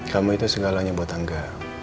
kamu itu segalanya buat angga